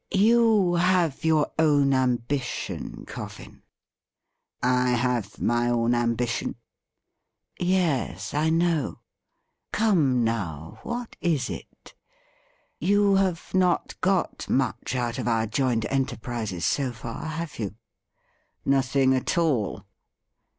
' You have your own ambition. Coffin.' 'I have my own ambition.' ' Yes, I know. Come now, what is it ? You have not got much out of our joint enterprises so far, have you ?' 'Nothing at all.'